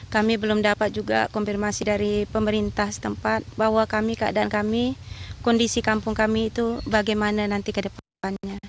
kami belum dapat juga konfirmasi dari pemerintah setempat bahwa kami keadaan kami kondisi kampung kami itu bagaimana nanti ke depannya